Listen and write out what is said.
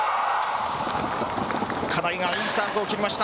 金井がいいスタートを切りました。